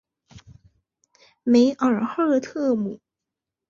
梅尔赫特姆。